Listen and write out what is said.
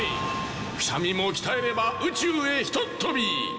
くしゃみもきたえればうちゅうへひとっとび！